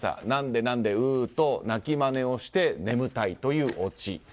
何で、何でううと泣きまねをして眠たいというオチ。